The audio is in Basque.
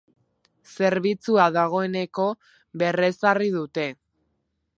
Zerbitzua dagoeneko berrezarri dute.